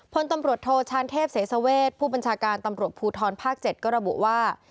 พลตำรวจโทชานเทพเสสเวชผู้บัญชาการตำรวจภูทรภาค๗ก็ระบุว่า